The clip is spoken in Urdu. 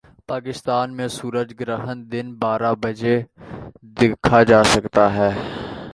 پاکستان میں سورج گرہن دن بارہ بجے دیکھا جا سکے گا